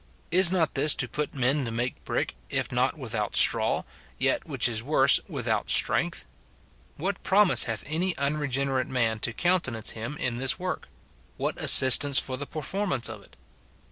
Is not this to put men to make brick, if not without straw, yet, which is worse, without strength f What promise hath any unregenerate man to countenance him in this work ? what assistance for the performance of it